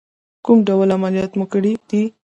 کوم ډول عملیات مو کړی دی؟